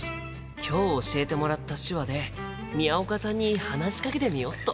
今日教えてもらった手話で宮岡さんに話しかけてみよっと！